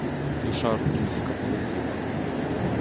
Душа рутульська полетіла